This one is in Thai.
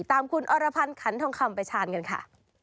ตามคุณอรพันธ์ขันทองคำไปชาญกันค่ะ